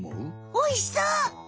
おいしそう！